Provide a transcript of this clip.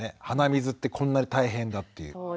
鼻水ってこんなに大変だという。